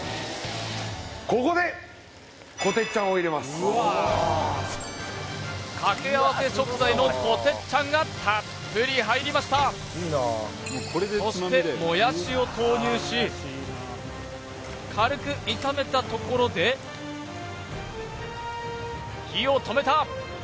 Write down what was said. ここでこてっちゃんを入れます掛け合わせ食材のこてっちゃんがたっぷり入りましたそしてもやしを投入し軽く炒めたところで火を止めた